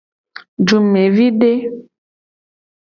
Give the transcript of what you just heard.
Dumevide.